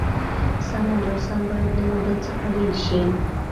سم او ناسم بايد له يو بل څخه بېل شي.